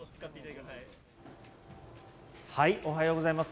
おはようございます。